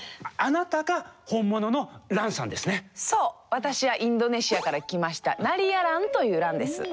私はインドネシアから来ましたナリヤランというランです。